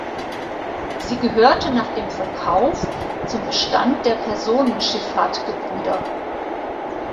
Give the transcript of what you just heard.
Sie gehörte nach dem Verkauf zum Bestand der Personenschifffahrt Gebr.